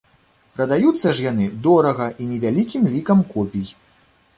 Прадаюцца ж яны дорага і невялікім лікам копій.